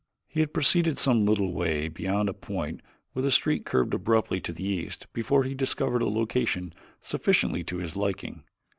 He had proceeded some little way beyond a point where the street curved abruptly to the east before he discovered a location sufficiently to his liking.